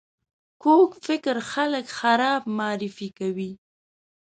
کوږ فکر خلک خراب معرفي کوي